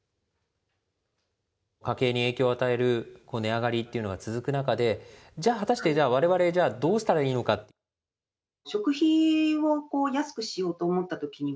家計に影響を与える値上がりというのが続く中で、じゃあ、果たしてじゃあ、われわれどうしたらいいのか。